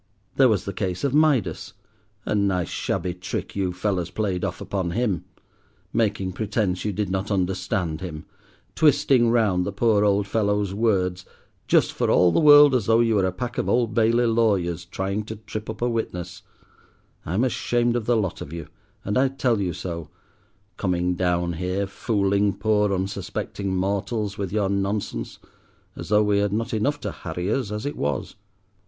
There was the case of Midas; a nice, shabby trick you fellows played off upon him! making pretence you did not understand him, twisting round the poor old fellow's words, just for all the world as though you were a pack of Old Bailey lawyers, trying to trip up a witness; I'm ashamed of the lot of you, and I tell you so—coming down here, fooling poor unsuspecting mortals with your nonsense, as though we had not enough to harry us as it was.